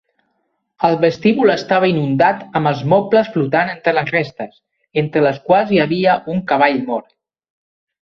El vestíbul estava inundat amb els mobles flotant entre les restes, entre les quals hi havia un cavall mort.